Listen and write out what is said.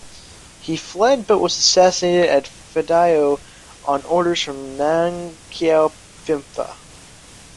He fled but was assassinated at Phadao on orders from Nang Keo Phimpha.